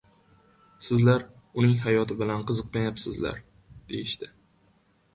Sizlar uning hayoti bilan qiziqmayapsizlar, deyishdi.